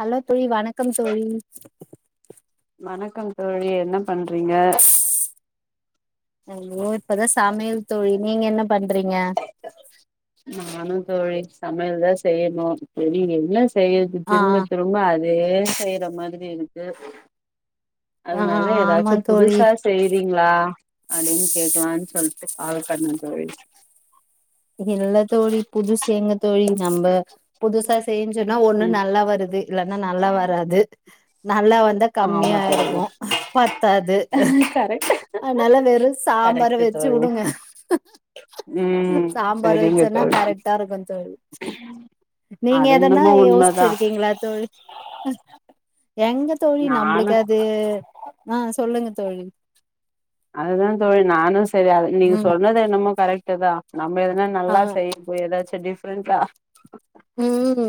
hello தோழி வணக்கம் தோழி வணக்கம் தோழி என்ன பண்றீங்க ஐயோ இப்பதா சமையல் தோழி, நீங்க என்ன பண்றீங்க நானு தோழி சமையல் தா செய்யணு செரி என்ன செய்யறது ஆ திரும்ப திரும்ப அதே செய்யற மாதிரி இருக்கு ஆ அதனால ஆமா ஏதாச்சும் தோழி புதுசா செய்றீங்ளா அப்டின்னு கேக்கலான்னு சொல் ட்டு ஆள காட்னனு செல்லவே இல்ல தோழி புதுசு எங்க தோழி நம்ம புதுசா செ செஞ்சோன்னா ஒண்ணு ம் நல்லா வருது இல்லன்னா நல்லா வராது நல்லா இருந்தா ஆமா கம்மியா தோழி இருக்கு பத்தாது கரெக்ட் அதனால வெறு சாம்பார கரெக்ட் வச்சு தோழி வுடுங்க ம் சம்பார் சரிங்க வச்சன்னா தோழி கரெக்டா இருக்கு தோழி நீங்க அது எதன்னா என்னமோ உண்மதா யோசிச்சிருக்கீங்களா தோழி எங்க தோழி நானு நம்ளுக்கு அது ஆ சொல்லுங்க தோழி அதுதா தோழி நானு சேரி அது நீங்க ம் சொன்னது என்னமோ கரெக்ட்டு தா நம்ப எதனா ஆ நல்லா செய்யப்போயி ஏதாச்சு டிஃப்ரெண்டா ம்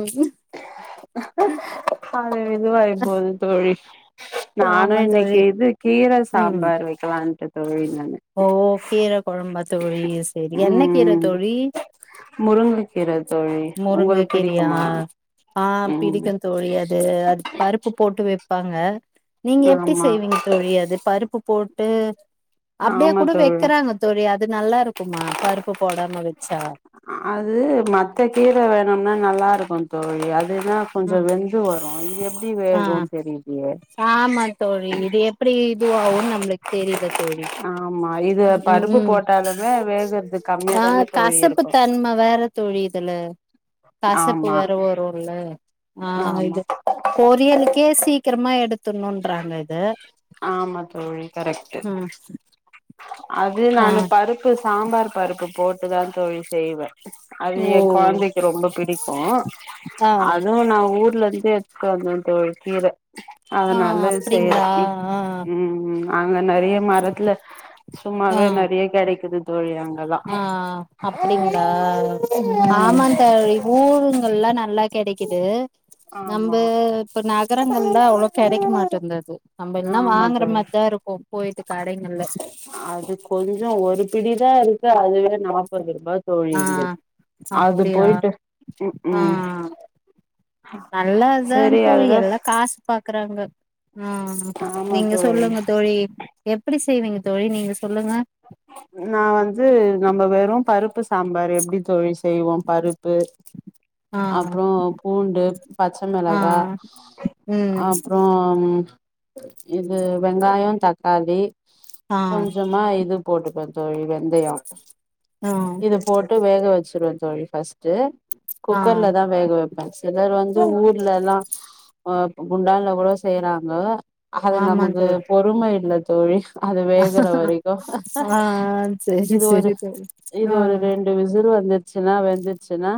அது இதுவாயி போது தோழி நானு ஆமா இன்னைக்கி தோழி இது கீர ம் சாம்பார் வைக்கலான்ட்டு தோழி நானு ஓ கீர கொழம்பா தோழி சேரி என்ன கீர ம் தோழி முருங்கக்கீர தோழி முருங்க உங்களுக்கு கீரையா பிடிக்குமா ஆ ம் பிடிக்கு தோழி அது அது பருப்பு போட்டு வப் ப்பாங்க நீங்க எப்படி ஆமா செய்வீங்க தோழி அது பருப்பு போட்டு அப்டியே ஆமா கூட தோழி வைக்கிறாங்க தோழி அது நல்லா இருக்குமா பருப்பு போடாம வெச்சா அது மத்த கீர வேணும்னா நல்லா இருக்கு தோழி அது அதுனா கொஞ்சோ வெந்து வரு இது எப்படி ஆ வேகுன்னு தெரிலயே ஆமா தோழி இது எப்டி இது ஆவுன்னு நம்ளுக்கு தெரில தோழி ஆமா இது ம், பருப்பு ம் போட்டாலுமே வேகறது கம்மியா ஆ தானே தோழி கசப்பு இருக்கு தன்ம வேற தோழி இதுல கசப்பு ஆமா வேற வரும்ல ஆ ஆமா இது பொரியலுக்கே சீக்கிரமா எடுத் துன்னூன்றாங்க இத ஆமா தோழி கரெக்ட்டு ம் அது ஆ நானு பருப்பு சாம்பார் பருப்பு போட்டு தா தோழி செய்வே அது ஓ என் கொழந்தைக்கு ரொம்ப பிடிக்கு ஆ அதுவு நா ஊர்ல இது எடுத்துட்டு வந்த தோழி கீர ஆ அதனால இது செய்ற அப்டிங்களா ஆ ம் ம் அங்க நறைய மரத்துல சும்மாவே நறைய கெடைக்குது தோழி அங்கல்லா ஆஆ அப்டிங்களா ம் ஆமா தோழி ஊருங்கல்ல நல்லா கெடைக்குது நம்ப ஆமா இப்ப நகரங்கள்ல அவ்ளோ கெடைக்க மாட்டேந்தது நம்ம இதுல்லாம் ஆமா வாங்குற தோழி மாதிரிதான் இருக்கும் போய்டு கடைகள்ல அது கொஞ்சம் ஒரு பிடிதான் இருக்கு அதுவே நமப்பது ரொம்பா தோழி ஆ இங்க அது அப்டியா போயிட்டு ஆ உம் செரி அதுதான் இருக்குறாங்க ஆஹ் நீங்க தோழி சொல்லுங்க தோழி எப்டி செய்விங்க தோழி நீங்க சொல்லுங்க நா வந்து நம்ம வெறும் பருப்பு சாம்பார் எப்டி தோழி செய்வோம் பருப்பு ஆ அப்புறம் பூண்டு பச்ச ஆ மிளகாய் ம் அப்புறம் இது வெங்காயம் தக்காளி ஆ கொஞ்சமா இது போட்டுக்குவேன் தோழி வெந்தயம் ஆ இது போட்டு வேக வச்சுருவ தோழி ஃபஸ்ட்டு ஆ குக்கர்ல தான் வேக வைப்பேன் சிலர் வந்து ஊர்லல்லாம் அஹ் குண்டால்ல கூட செய்யறாங்க அது ஆமா நமக்கு தோழி பொறுமை இல்ல தோழி அது வேகற வரைக்கும் ஆ செரி இது ஒரு செரி தோழி இது ஆ ஒரு ரெண்டு விசில் வந்துச்சுன்னா வெந்துச்சுனா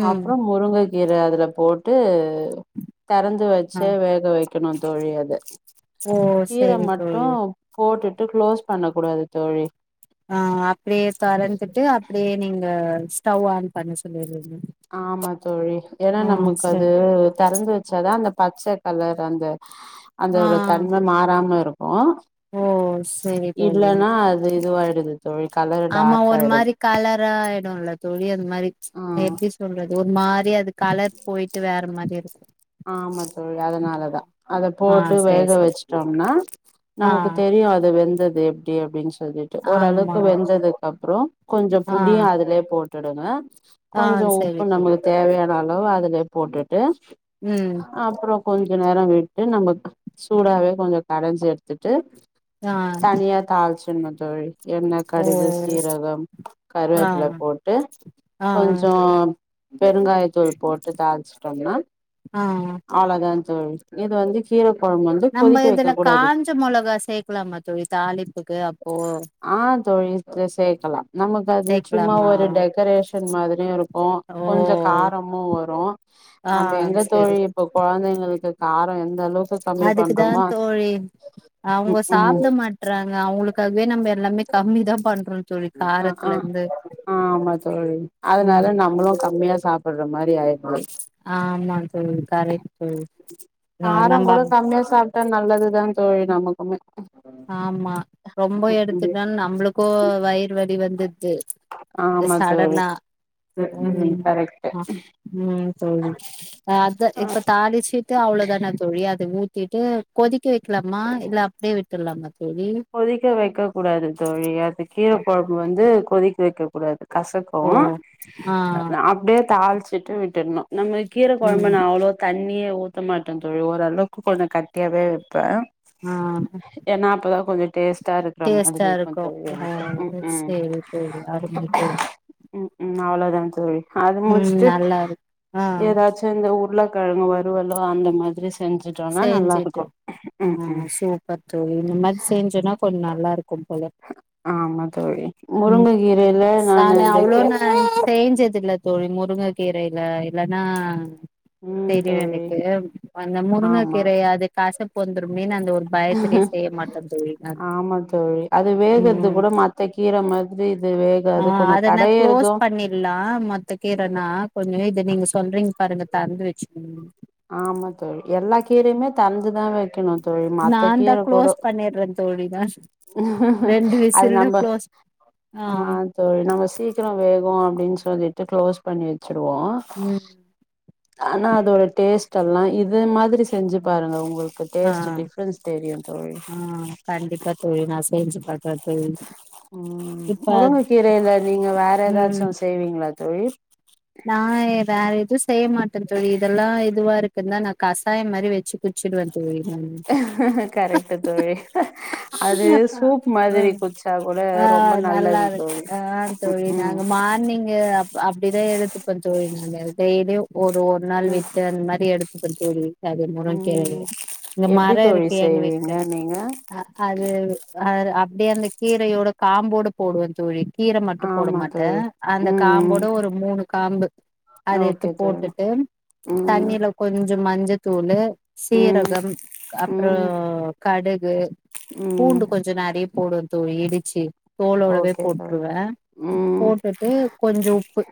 ம் அப்புறம் முருங்கை கீரை அதுல போட்டு தெறந்து வச்ச ஆ வேக வைக்கணும் தோழி அத ஓ கீர செரி தோழி மட்டும் போட்டுட்டு க்ளோஸ் பண்ண கூடாது தோழி தறந்துட்டு அப்படியே நீங்க ஸ்டவ் ஆன் பண்ண சொல்லிரு ஆமா தோழி ஏன்னா நமக்கு அது சரி தெறந்து வச்சாதான் அந்த பச்சை கலர் அந்த ஆ அந்தோட தன்மை மாறாம இருக்கும் கு ஓ செரி தோழி இல்லன்னா அது இதுவாயிடுது தோழி கலர் ஆமா டார்க் ஒரு ஆயிடுது மாதிரி கலராயிடுல தோழி அந்த மாதிரி ஆ எப்படி சொல்றது ஒரு மாதிரி அது கலர் போயிட்டு வேற மாரி இருக்கும் ஆமா தோழி அதனாலதான் அத ஆ போட்டு செரி வேக செரி வச்சுட்டோம்னா ஆ நமக்கு தெரிய தெரியு அது வெந்தது எப்படி அப்படின்னு சொல்ல சொல்லிட்டு ஆமா ஒரளவுக்கு வெந்ததுக்கப்புறம் கொஞ்சம் ஆ புளியு அதுலயே போட்டுடுங்க ஆ கொஞ் ம் உப்பு செரி தோழி நமக்கு தேவையான அளவு அதுல போட்டுட்டு ம் அப்புறம் கொஞ்ச நேரம் விட்டு நமக்கு சூடாவே கொஞ்சம் கடைஞ்சி எடுத்துட்டு ஆ தனியா தாளிச்சு சரிங்க தோழி எண்ணெய ஓ கடுகு சீரகம் ஆ கருவேப்பல போட்டு ஆ கொஞ்சம் பெருங்காய தூள் போட்டு தாளுச்சுட்டோம்னா ஆஹ் இது வந்து கீர கொழம்பு வந்து நம்ம கொதிக்க வைக்க இதுல கூடாது காஞ்ச மிளகா சேர்க்கலாம தோழி தாளிப்புக்கு அப்போ ஆ தோழி சேக்கலாம் நமக்கு அது சும்மா சேக்கலாமா ஒரு டெக்கரேஷன் மாதிரியும் இருக்கும் கொஞ்சம் காரமும் வரும் ஆஹ் தோழி இப்ப கொழந்தைங்களுக்கு காரம் எந்த அளவுக்கு கம்மி அதுக்குதான் பண்றோமோ தோழி அவங்க ம் ம் சாப்பிட மாட்றாங்க அவங்களுக்கு க்கவே நம்ம எல்லாமே கம்மி தான் பண்றோம் அஹ் ஆஹ் ஆ ஆமா தோழி அதனால ம் நம்மளும் கம்மியா சாப் பிட்ர மாதிரி ஆயிடும் ஆமா தோழி கரெக்ட் தோழி ஆ காரம் நம்ம கூட அப் கம்மியா சாப்பிட்டா நல்லதுதான் தோழி நமக்குமே ஆமா ரொம்ப ம் ம் எடுத்துட்ட நம்மளுக்கும் வயிறு வலி வந்துரு து ஆமா தோழி சடனா ம் ம் கரெக்ட்டு உஹம்ஹ் உம் தோழி அத ஆ இப்ப தாளிச்சுட்டு அவ்வளோதானா தோழி அது ட்டிட்டு கொதிக்க வைக்கலாமா இல்ல அப்டியே விட்டுட்லாமா கொதிக்க வைக்க கூடாது தோழி அது கீர கொழம்பு வந்து கொதிக்க வைக்க கூடாது கசக்கு அப்போ ஆ அ நா அப்டியே தாள்ச்சிட்டு விட்டுட்ணு நம்ம கீர கொழம்பு நா ம் அவ்ளோ தண்ணியே ஊத்த மாட்டே தோ ஓரளவுக்கு கொஞ்ச கட்டியாவே ப்பே ஆ ஏனா அப்பதா கொஞ்ச டேஸ்ட்டா இருக்கிற மாதிரி டேஸ்ட்டா இருக்கு தோழி ஓ எனக்கு ம் ம் சேரி தோழி அருமை தோழி ம் ம் அவ்ளோ தா தோழி அது ம் முடிச்சுட்டு நல்லா இருக்கு ஆ எதாச்சு இந்த உர்ளக் கெழங்கு வருவலு அந்த மாதிரிஸ் செஞ்சுட்டு ம் ஆ சூப்பர் தோழி இந்த மாரி செஞ்சோனா கொஞ்ச நல்லா இருக் கும் போல ஆமா தோழி ம் முருங்கக்கீரையில நானு சானா இந்த அவ்ளோ கே நா சேஞ்சு ஞ்சதில்ல தோழி முருங்க கீரைல இல்லனா ம் தெரியு தோழி எனக்கு வந்த முருங்க ஆமா கீரையா அது கசப்பு வந்துருமேனு அந்த ஒ ஆமா தோழி அது வேகறது ம் கூட மத்த கீர மாதிரி இது வேகா ஆ அத நா குளோஸ் பண்ணிற்லா மத்த கீரனா கொஞ்ச இத நீங்க சொல்றீங் அப்ற இந்த தண்டு வெச்சுக்ணும் ஆமா தோழி எல்லா கீரையுமே தெறந்துதா வெக்கணு நாந்தா குளோஸ் பண்ணிட்றே தோழிதா அது நம்ப ஆ தோழி நம்ம சீக்கிர வேகு அப்டின் சொ ஊதிட்டு க்ளோஸ் பண்ணி வச்சுருவோ ம் ஆனா அது ஒரு டேஸ்டெல்லா இது மாதிரி செஞ்சு பாருங்க உங்களுக் ஆ ஆ கண்டிப்பா தோழி நா செஞ்சு பாக்குறே தோழி ம் இப்ப முருங்க கீரைல நீங்க வேற எதாச்சு ம் செய்வீங்ளா தோழி நா எ வேற எது செய்ய மாட்டே தோழி இதெல்லா இதுவா இருக்குந்தா நா கசாய மாரி வெச்சு குட்ச்சிடுவே கரெக்ட்டு தோழி அது சூப் மாதிரி ம் குட்ச்சாக் கூ ஆ நல்லா இருக் ஆ தோழி ம் நாங்க மார்னிங்கு அப் அப்டிதா எடுத் த்துப்போ தோழி நாங்க டேய்லியு ஒரு ஒரு நாள் ம் விட்டு அந்த மாரி எடுத்துப்போ தோழி சரி முருங்கே ம் ம் இந்த மர எப்டி தோழி இருக்கு எங்க செய்வீங்க வீட்ல நீங்க அ அது அ அப்டியே அந்த கீரையோட காம்போட போடுவே தோழி கீர மட்டு போட ஆமா மாட்டே தோழி அந்த ம் காம்போட ஒரு மூணு ம்பு அத எட்த்து ஓகே தோழி போட்டுட்டு ம் தண்ணில கொஞ்ச மஞ்சத்தூளு ம் சீரகம் அப்றோ ம் கடுகு ம் பூண்டு கொஞ்ச நெறைய போடுவோ தோழி இடிச்சு தோலோடவே ஓகே தோழி போட்ருவே ம் போட்டுட்டு கொஞ்ச உப்பு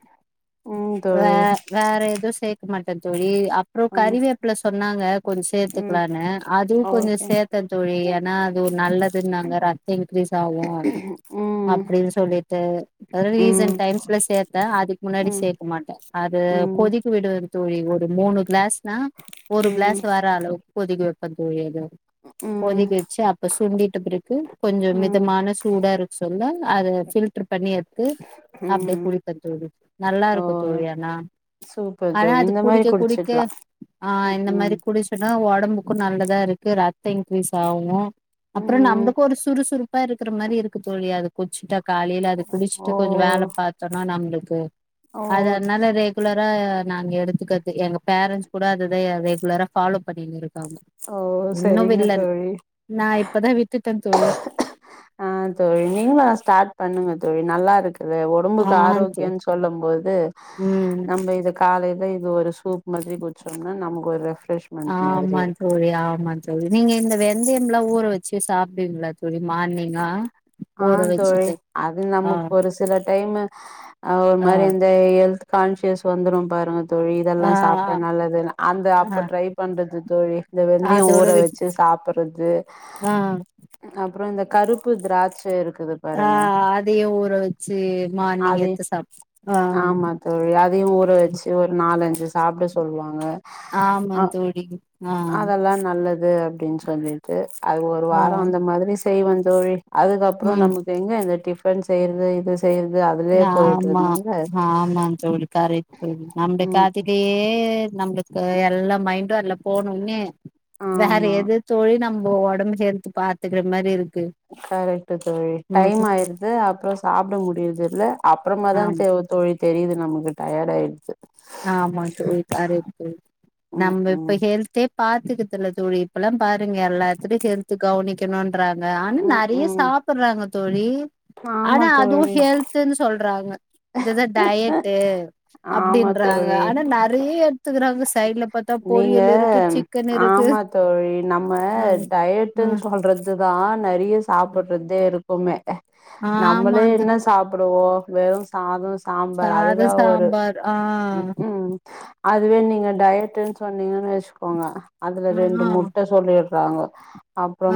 ம் வே தோழி வேற எது சேக்கமாட்டே தோழி அப்றோ ம் கறிவேப்பில சொன்னாங்க கொஞ்ச ம் சேத்துக்லானு அதுவு கொஞ்ச ஓகே சேத்தே தோழி ஏனா அது நல்லதுன்னாங்க ரத்த இன்க்ரீஸ் ஆகு ம் ம் அப்டின் சொல்லிட்டு பழனி ரீசன்ட் ம் டைம்ஸ்ல சேத்தே அதுக்கு முன்னாடிஸ் ம் கேக்க மாட்டே அது ம் கொதிக்க விடுவது தோழி ஒரு மூணு கிளாஸ் ஆ ஒரு ம் கிளாஸ் வர அளவுக்கு கொதிக்க வப்பே தோழி அது கொதிக்க வெச்சு அப்ப சுண்டிட்ட பிறக்கு கொஞ்ச ம் மிதமான சூடா இருக்க சொல்ல அத ஃபில்ட்ரு பண்ணி எட்த்து அப்டியே ம் குடிப்பே தோழி நல்லா இருக்கு ஓ தோழி ஆனா சூப்பர் ஆனா தோழி அது இந்த மாரி குடிக்க குடிக்க குடிச்சிக்கலா ஆ ம் இந்த ம் மாரி குடிச்சோனா ஒடம்பு க்கு நல்லதா இருக்கு ரத்த இன்கிரீஸ் ஆகு அப்றோ ம் நம்பளுக்கு ஒரு சுறுசுறு ப்பா இருக்கிற மாரி இருக்கு தோழி அத குட்ச்சுட்டா காலைல அது குடிச்சிட்டு ஓ கொஞ்ச வேல பாத்தோனா நம்ளுக்கு ஓ அதனால ரெகுலரா நாங்க எடுத்துக்கற்து எங்க பேரண்ட்ஸ் கூட அததா ரெகுலரா ஃபாலோ பண்ணின்னு இருக் ஆமா ஓ இன்னு செரிங்க விட்லன் தோழி நா இப்பதா விட்டுட்டே தோழி ஆ தோழி நீங்களு ஸ்டார்ட் பண்ணுங்க தோழி நல்லா இருக்குது உடம்புக்கு ஆ ஆரோக்கியன்னு சொல்லும் போது ம் நம்ம இத காலையையில இது ஒரு சூப் மாதிரி குடிச்சோம்னா நமக்கு ஒரு ரெஃப்ரெஷ்மெண்ட் மாதிரி ஆமா இருக்கு தோழி ஆமா தோழி நீங்க இந்த வெந்தயம்லாம் ஊற வச்சு சாப்படுவிங்களா தோழி மார்னிங்கலா ஆஹ் தோழி அது நமக்கு ஒரு சில டைமு ஒரு ஆ மாதிரி எந்த கான்சியஸ் வந்துரும் பாருங்க தோழி ஆ இதெல்லாம் சாப்பிட்டேன் நல்லது அந்த ஆ அப்ப ட்ரை பண்றது தோழி இந்த வெந்தயம் அதோட ஊற விட் வச்சு சா சாப்புறது ஆ அப்புறம் இந்த கருப்பு திராட்சை இருக் ஆஹ் அதையு ஊற வச்சு மார்னிங் அது எடுத்து சாப் ஆஹ் அதையும் ஊற வச்சு ஒரு நாலஞ்சு சாப்பிட சொல்லுவாங்க ஆமா தோழி ஆஹ் அப்படின்னு சொல்லிட்டு அது ஒரு ஆ வாரம் அந்த மாதிரி செய்வோ தோழி அதுக்கப்புறம் ம் நமக்கு எங்க இந்த டிஃபன் செய்யறது இது செய்றது அதுலயே ஆமா போயிட்ருந்தாங்க ஆமா தோழி கரிக்ட்டு நம்ப ம் காத்திலயே நம்மளுக்கு எல்லா மைண்டும் அதுல போனோனே வேற ஆமா எது தோழி நம்ம உடம்பு ஹெல்த்து பாத்துக்ரமாரி இருக்கு கரெக்ட் தோழி டைம் ம் ஆயிருது அப்புறம் சாப்பிட முடியரது இல்ல அப்புறமா தான் ஆம் தோழி தெரியுது நமக்கு டயர்டு ஆயிடுச்சு ஆமா தோழி கரெட் ம் நம்ப இப்ப ம் ஹெல்த்தே பாத்துக்கதுல தோழி இப்பல்லாம் பாருங்க எல்லாத்துக்கும் ஹெல்து கவனிக்கணும் றாங்க ஆனா ம் நெறைய ம் சாப்டுறாங்க தோழி ஆமா ஆனா அதுவும் தோழி ஹெல்துன்னு சொல்றாங்க இதுதான் டயடு ஆமா அப்டின்னு தோழி சைட்ல பாத்தா நீங்க பொரியல் இருக்கு சிக்கன் இருக்கு ஆமா தோழி நம்ம ம் டயட்ன்னு ம் சொல்றது தான் நிறைய சாப்படுறதே இருக்கு எப்போமே ஆமா நம்மளே தோ என்ன சாப்பிடுவோ வெறும் சாதம் சாம்பார் சாதோ அதுதான் ஒரு சாம்பார் ஆ உம் அதுவே நீங்க டயட்ன்னு சொன்னீங்கன்னு வச்சுக்கோங்க அதுல ஆ ரெண்டு முட்டை சொல்லிரு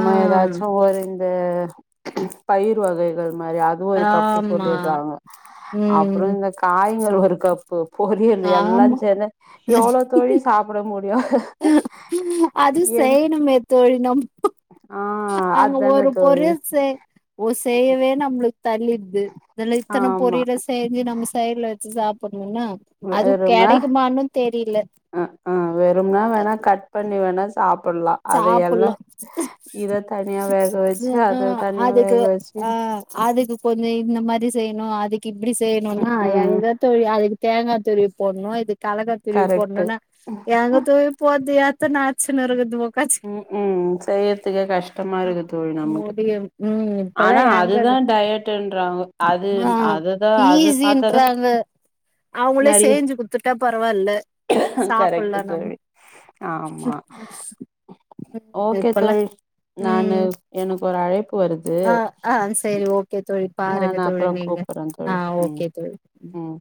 ஆ ஏதாச்சும் ஒரு இந்த பயிர் வகைகள் மாரி அது ஒரு கப்பு ஆமா சொல்லிடுறாங்க அப்புறம் ம் இந்த காய்கள் ஒரு கப்பு பொரியல்லு எல்லாம் ஆமா சேந்து எவ்வளோ தோழி சாப்பிட முடியும் அது என் செய்யணுமே தோழி நம் அங்க அதான ஒரு தோழி பொரியல் செ ஓ செய்யவே நம்பளுக்கு தள்ளிடுது இதுல்ல இத்தனை ஆமா பொரியல செஞ்சு நம்ம சைட்ல வச்சு சாப்ப வெறும்னா தெரியல அஹ ஆஹ் வெறும்னா வேணா கட் பண்ணி வேணா சாப் ப்பிடலாம் அது சாப்பல்லா எல்லாம் இத தனியா வேக வச்சு ஆ அத தனியா அதுக்கு வேக வச்சு ஆ அதுக்கு கொஞ்சம் இந்த மாதிரி செய்யணும் அதுக்கு இப்படி செய்யணும்னா ம் ம் எங்க தோழி அதுக்கு தேங்காய் துருவி போடணும் இது கலகத்திருவி கரெக்ட்டு போடும்னா எங்க துருவி போது ஏத்தன்ன அச்சுன்னு இருக்குது உக்காச்சி உம் செய்யறதுக்கே கஷ்டமா இருக்கு தோழி நமக்கு முடியும் ம் இப்பல்லா ஆனா எங்க அது அதுதான் டயட் ன்றாங்க அது ஆ அதுதான் அது பாத்ததான் அவங்களே செஞ்சு குடுத்துட்டா பரவாயில்ல கரெக்ட்டு சாப்பிடலாம் நம் தோழி ஆமா ச [unintelligible] ஓகே தோழி நான்னு ம் எனக்கு ஒரு அழைப்பு வருது ஆ ஆ சேரி ஓகே தோழி பாருங்க நான் தோழி அப்புறம் நீங்க கூப் பற தோழி ஆ உம் ஓகே தோழி உம்